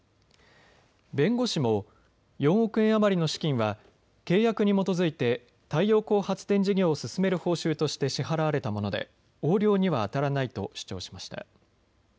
弁護士も４億円余りの資金は契約に基づいて太陽光発電事業を進める報酬として支払われたもので横領にはあたらないと主張しました。